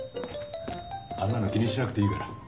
あんなの気にしなくていいから。